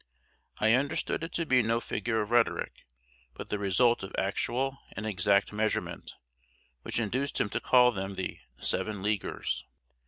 I understood it to be no figure of rhetoric, but the result of actual and exact measurement, which induced him to call them the "Seven Leaguers."